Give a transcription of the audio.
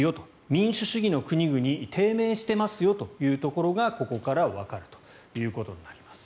民主主義の国々低迷してますよというところがここからわかるということです。